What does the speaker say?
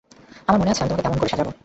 আমার মনে আছে, আমি তোমাকে কেমন করে সাজাব।